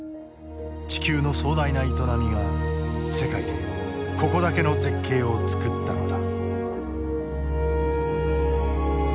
地球の壮大な営みが世界でここだけの絶景を作ったのだ。